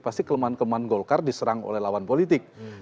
pasti kelemahan kelemahan golkar diserang oleh lawan politik